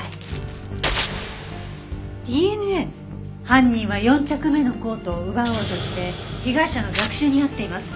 犯人は４着目のコートを奪おうとして被害者の逆襲に遭っています。